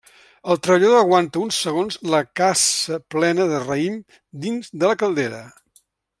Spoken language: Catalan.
El treballador aguanta uns segons la cassa plena de raïm dins de la caldera.